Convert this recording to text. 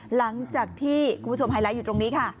หลังจากที่คุณผู้ชมไฮไลท์อยู่ตรงนี้ค่ะ